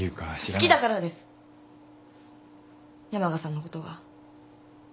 好きだからです山賀さんのことが。